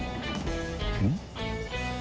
うん？